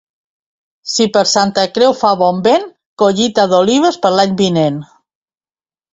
Si per Santa Creu fa bon vent, collita d'olives per l'any vinent.